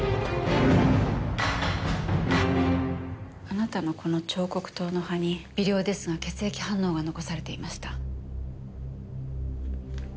あなたのこの彫刻刀の刃に微量ですが血液反応が残されていました。